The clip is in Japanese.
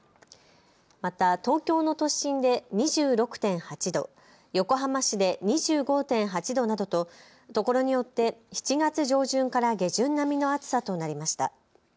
また東京の都心で２６．８度、横浜市で２５．８度などとところによって７月上旬から下旬並みの暑さとなりました。